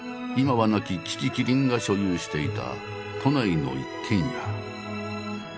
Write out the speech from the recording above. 今は亡き樹木希林が所有していた都内の一軒家。